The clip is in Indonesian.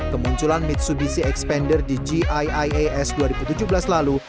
kemunculan mitsubishi expander di giias dua ribu tujuh belas lalu